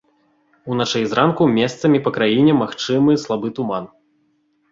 Уначы і зранку месцамі па краіне магчымы слабы туман.